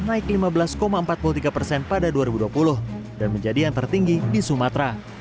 naik lima belas empat puluh tiga persen pada dua ribu dua puluh dan menjadi yang tertinggi di sumatera